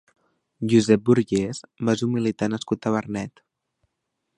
Josep Borges va ser un militar nascut a Vernet.